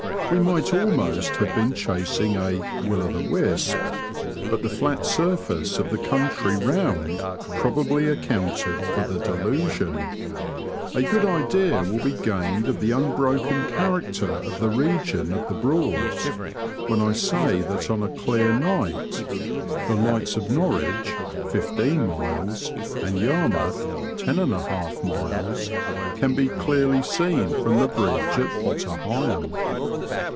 We might almost have been chasing a will o the wisp ;" but the flat surface of the country round probably accounted for the deluHion. A good idea will be gained of the unbroken character of the region of the Broads when I say that on a clear night the lights of Morwich (15 miles) and Yarmouth Digitized by VjOOQIC POTTEE HBIGHAM TO AGLE. 106 (lOJ miles) pan be clearly seen from the bridge at Potter Heigbam.